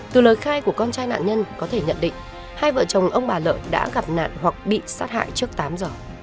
từ lời khai của con trai nạn nhân có thể nhận định hai vợ chồng ông bà lợi đã gặp nạn hoặc bị sát hại trước tám giờ